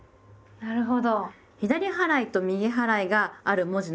なるほど。